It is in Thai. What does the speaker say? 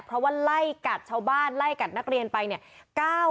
เพราะว่าไล่กัดชาวบ้านไล่กัดนักเรียนไปเนี่ย